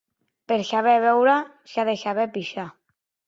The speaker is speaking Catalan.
Per saber beure, s'ha de saber pixar.